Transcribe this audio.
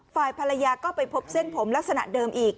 ฝ่ายภรรยาก็ไปพบเส้นผมลักษณะเดิมอีก